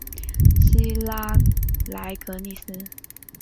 希拉莱格利斯。